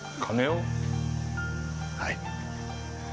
はい。